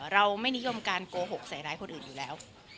เราไม่นิยมการโกหกใส่ร้ายคนอื่นอยู่แล้ว